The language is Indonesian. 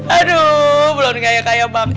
aduh belum kayak kayak banget